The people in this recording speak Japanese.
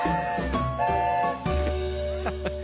ハハハッ。